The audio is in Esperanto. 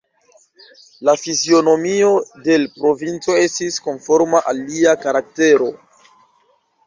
La fizionomio de l' princo estis konforma al lia karaktero.